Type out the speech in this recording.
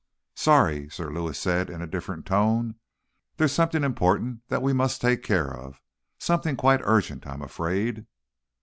"Sorry," Sir Lewis said in a different tone. "There's something important that we must take care of. Something quite urgent, I'm afraid."